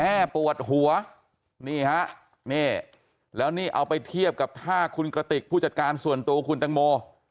ปวดหัวนี่ฮะนี่แล้วนี่เอาไปเทียบกับท่าคุณกระติกผู้จัดการส่วนตัวคุณตังโม